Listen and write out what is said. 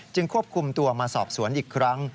ควบคุมตัวมาสอบสวนอีกครั้ง